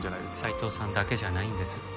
斉藤さんだけじゃないんです。